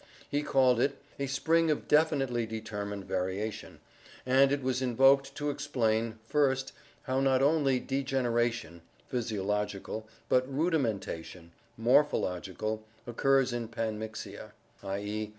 He called it "a spring of definitely determined variation" and it was invoked to explain, first, how not only degeneration (physiological) but rudimenta tion (morphological) occurs in panmixia (1. e.